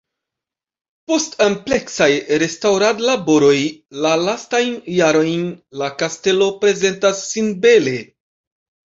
Post ampleksaj restaŭradlaboroj la lastajn jarojn la kastelo prezentas sin bele.